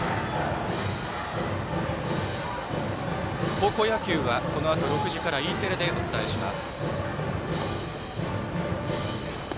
高校野球は、このあと６時からＥテレでお伝えします。